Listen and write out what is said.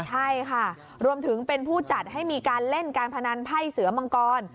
ใช่ค่ะรวมถึงเป็นผู้จัดให้มีการเล่นการพนันไพ่เสือมังกร